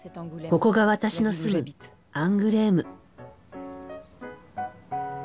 ここが私の住むアングレーム。